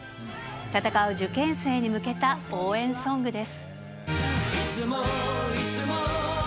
戦う受験生に向けた応援ソングです。